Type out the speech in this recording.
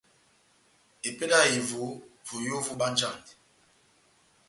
Epédi yá ehevo, voyó vobánjandini.